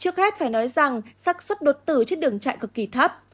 trước hết phải nói rằng sắc xuất đột tử trên đường chạy cực kỳ thấp